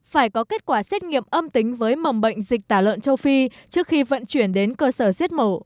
phải có kết quả xét nghiệm âm tính với mầm bệnh dịch tả lợn châu phi trước khi vận chuyển đến cơ sở giết mổ